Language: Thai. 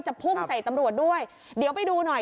พุ่งใส่ตำรวจด้วยเดี๋ยวไปดูหน่อย